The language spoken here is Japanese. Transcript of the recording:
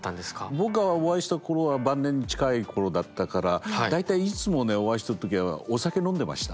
僕がお会いした頃は晩年に近い頃だったから大体いつもお会いした時はお酒飲んでましたね。